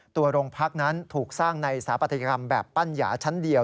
ตัวโรงพักนั้นถูกสร้างในสถาปัตยกรรมแบบปั้นหยาชั้นเดียว